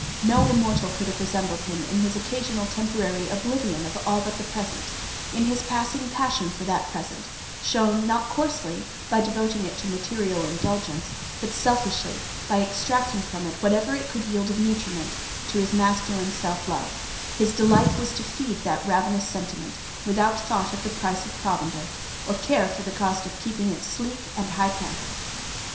No immortal could have resembled him in his occasional temporary oblivion of all but the present—in his passing passion for that present; shown not coarsely, by devoting it to material indulgence, but selfishly, by extracting from it whatever it could yield of nutriment to his masculine self love: his delight was to feed that ravenous sentiment, without thought of the price of provender, or care for the cost of keeping it sleek and high pampered.